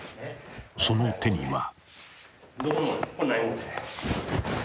その手には］